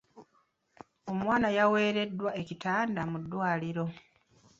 Omwana yaweereddwa ekitanda mu ddwaliro.